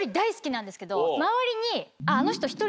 周りに。